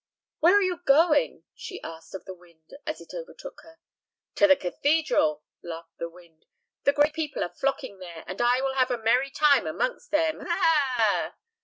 "Where are you going?" she asked of the wind as it overtook her. "To the cathedral," laughed the wind. "The great people are flocking there, and I will have a merry time amongst them, ha, ha, ha!"